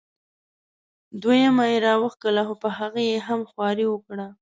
دویمه یې را وښکله خو په هغې یې هم خواري وکړه.